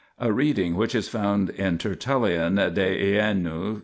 }, a reading which is found in Tert. de Jeiun.